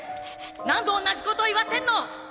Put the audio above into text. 何度同じことを言わせんの！